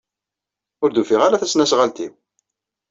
Ur d-ufiɣ ara tasnasɣalt-inu.